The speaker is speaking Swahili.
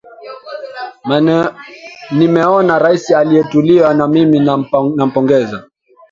nimeona rais aliyeteuliwa na mimi nampogeza